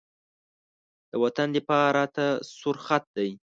د وطن دفاع راته سور خط دی.